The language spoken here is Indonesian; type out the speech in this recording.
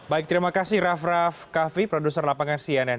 baik terima kasih rav rav kavi produser lapangan cnn